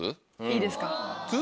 いいですか？